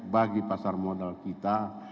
bagi pasar modal kita